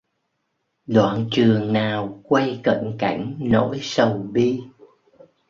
Đoạn trường nào quay cận cảnh nỗi sầu bi